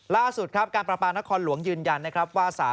ล่าสุดครับการประปานครหลวงยืนยันนะครับว่า